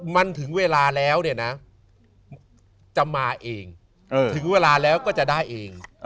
มันถึงเวลาแล้วเนี่ยนะจะมาเองถึงเวลาแล้วก็จะได้เอง